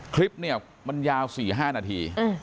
คลิปเนี่ยมันยาว๔๕นาที